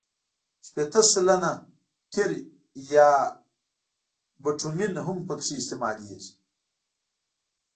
شپېته سلنه قیر یا بټومین هم پکې استعمالیږي